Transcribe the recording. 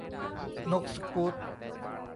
นกสกู๊ต